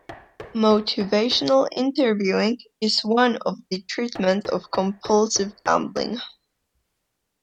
Motivational interviewing is one of the treatments of compulsive gambling.